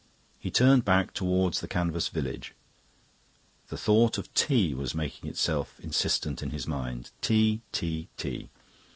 He turned back towards the canvas village. The thought of tea was making itself insistent in his mind. Tea, tea, tea.